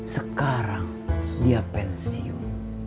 sekarang dia pensiun